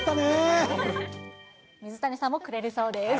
水谷さんもくれるそうです。